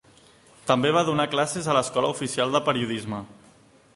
També va donar classes a l'Escola Oficial de Periodisme.